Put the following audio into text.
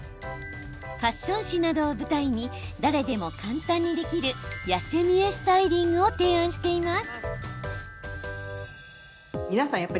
ファッション誌などを舞台に誰でも簡単にできる痩せ見えスタイリングを提案しています。